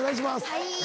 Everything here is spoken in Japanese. はい。